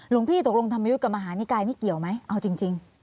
หลวงพี่ตกลงธรรมยุทธ์กับมหานิกายนี่เกี่ยวไหมเอาจริง